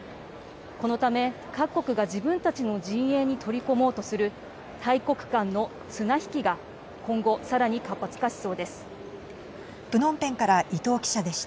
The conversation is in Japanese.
このため、各国が自分たちの陣営に取り込もうとする大国間の綱引きが今後、さらに活発化しそうです。